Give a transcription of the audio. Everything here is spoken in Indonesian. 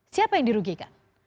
siapa yang dirugikan